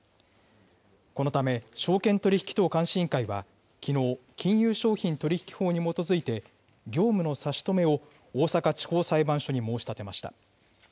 このため、証券取引等監視委員会はきのう、金融商品取引法に基づいて、業務の差し止めを大阪地方裁判所に申し立てました。